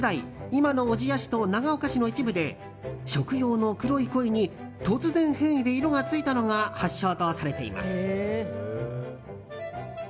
今の小千谷市と長岡市の一部で食用の黒いコイに突然変異で色がついたのが発祥とされています。